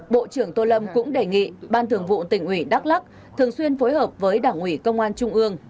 bộ trưởng tô lâm cũng đề nghị ban thường vụ tỉnh ủy đắk lắc thường xuyên phối hợp với đảng ủy công an trung ương